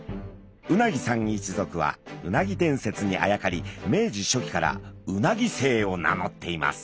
鰻さん一族はうなぎ伝説にあやかり明治初期から鰻姓を名乗っています。